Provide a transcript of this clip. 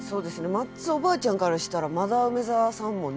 マツおばあちゃんからしたらまだ梅沢さんもね。